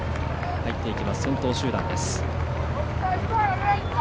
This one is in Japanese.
入っていきます、先頭集団です。